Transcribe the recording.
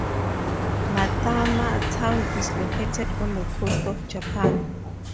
Matama town is located on the coast of Japan.